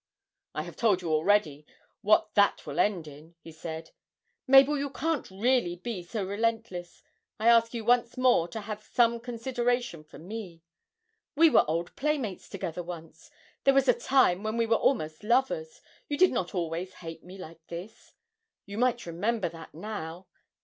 'I have told you already what that will end in,' he said. 'Mabel, you can't really be so relentless! I ask you once more to have some consideration for me. We were old playmates together once, there was a time when we were almost lovers, you did not always hate me like this. You might remember that now.